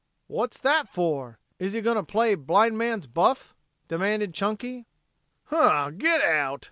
"What's that for! Is he going to play blind man's buff?" demanded Chunky. "Huh! Get out!"